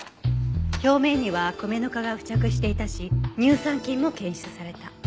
表面には米ぬかが付着していたし乳酸菌も検出された。